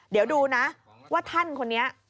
เดี๋ยวดูนะว่าท่านคนนี้